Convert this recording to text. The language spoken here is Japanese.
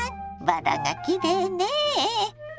バラがきれいねえ。